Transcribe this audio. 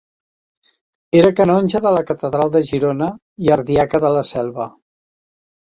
Era canonge de la Catedral de Girona i Ardiaca de la Selva.